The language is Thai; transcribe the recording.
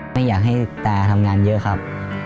ไม่อยากให้ตาทำงานเยอะครับ